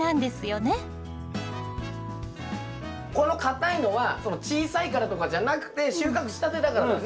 この硬いのは小さいからとかじゃなくて収穫したてだからだね。